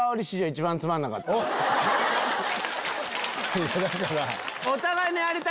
いやだから。